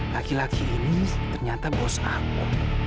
laki laki ini ternyata bos aku